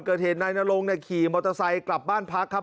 เกิดเหตุนายนรงขี่มอเตอร์ไซค์กลับบ้านพักครับ